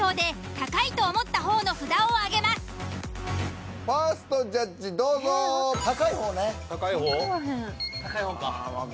高い方か。